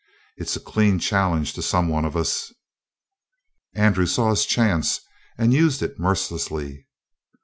It's a clean challenge to some one of us." Andrew saw his chance and used it mercilessly.